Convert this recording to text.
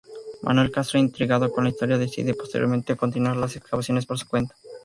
Manuel Castro intrigado con la historia decide posteriormente continuar las excavaciones por su cuenta.